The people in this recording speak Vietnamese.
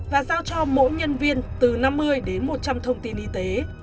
và giao cho mỗi nhân viên từ năm mươi đến một trăm linh thông tin y tế